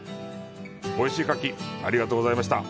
おいしい牡蠣、ありがとうございました。